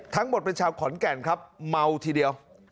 ทั้งหมดเป็นชาวขอนแก่นครับเมาทีเดียว